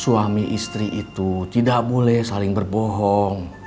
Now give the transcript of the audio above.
suami istri itu tidak boleh saling berbohong